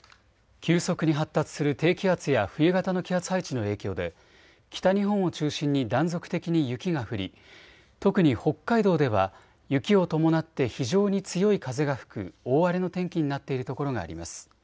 急速に発達する低気圧や冬型の気圧配置の影響で北日本を中心に断続的に雪が降り特に北海道では雪を伴って非常に強い風が吹く大荒れの天気になっているところがあります。